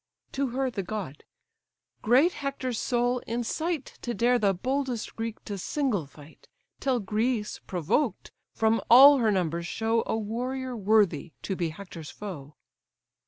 To her the god: "Great Hector's soul incite To dare the boldest Greek to single fight, Till Greece, provoked, from all her numbers show A warrior worthy to be Hector's foe."